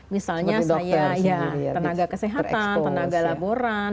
misalnya saya ya tenaga kesehatan tenaga laboran